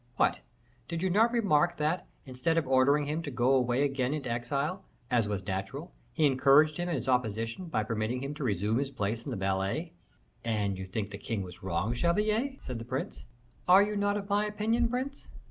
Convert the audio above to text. "What, did you not remark, that, instead of ordering him to go away again into exile, as was natural, he encouraged him in his opposition by permitting him to resume his place in the ballet?" "And you think the king was wrong, chevalier?" said the prince. "Are you not of my opinion, prince?"